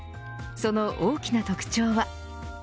その大きな特徴は。